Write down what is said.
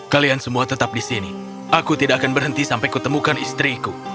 kalian semua tetap di sini aku tidak akan berhenti sampai kutemukan istriku